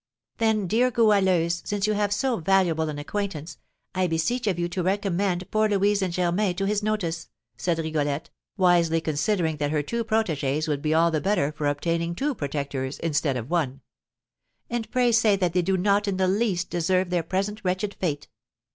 "Then, dear Goualeuse, since you have so valuable an acquaintance, I beseech of you to recommend poor Louise and Germain to his notice," said Rigolette, wisely considering that her two protégées would be all the better for obtaining two protectors instead of one. "And pray say that they do not in the least deserve their present wretched fate."